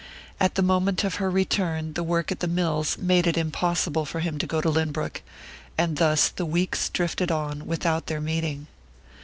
At the moment of her return the work at the mills made it impossible for him to go to Lynbrook; and thus the weeks drifted on without their meeting.